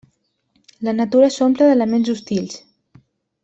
La natura s'omple d'elements hostils.